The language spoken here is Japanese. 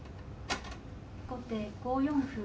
後手５四歩。